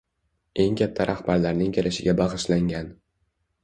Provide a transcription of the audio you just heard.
Eng katta rahbarlarning kelishiga bag‘ishlangan.